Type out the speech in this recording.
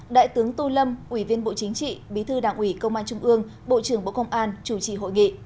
đại tướng tô lâm ủy viên bộ chính trị bí thư đảng ủy công an trung ương bộ trưởng bộ công an chủ trì hội nghị